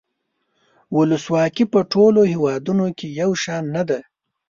ولسواکي په ټولو هیوادونو کې یو شان نده.